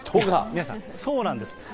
宮根さん、そうなんです。